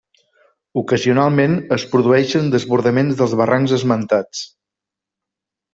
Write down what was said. Ocasionalment es produïxen desbordaments dels barrancs esmentats.